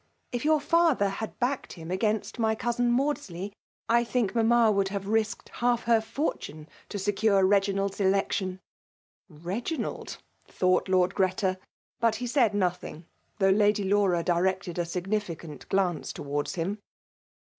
If your father had backed him against my cousin Maudsley, I think mamma would have risked half her fortune to secure BeginaldJs dbc^ tion." " Reginald F — thought Lord Greta; but he said nothing, though Lady Laura directed a significant glance towards him.